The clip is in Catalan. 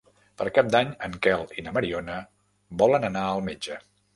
Per Cap d'Any en Quel i na Mariona volen anar al metge.